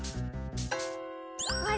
あれ？